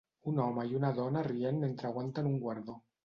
Un home i una dona rient mentre aguanten un guardó.